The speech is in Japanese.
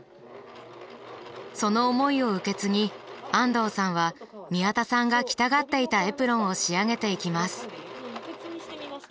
その思いを受け継ぎ安藤さんは宮田さんが着たがっていたエプロンを仕上げていきます。